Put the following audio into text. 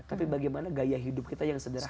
tapi bagaimana gaya hidup kita yang sederhana